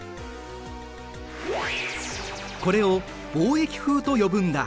これを貿易風と呼ぶんだ。